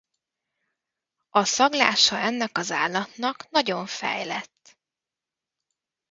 A szaglása ennek az állatnak nagyon fejlett.